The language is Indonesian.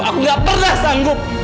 aku gak pernah sanggup